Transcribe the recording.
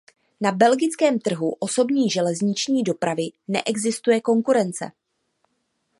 Na belgickém trhu osobní železniční dopravy neexistuje konkurence.